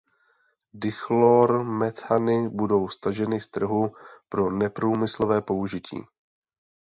Dichlormethany budou staženy z trhu pro neprůmyslové použití.